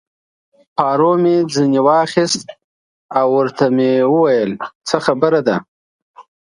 پارو مې ځینې واخیست او ورته مې وویل: څه خبره ده؟